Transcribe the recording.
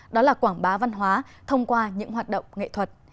đó là quảng bá văn hóa thông qua những hoạt động nghệ thuật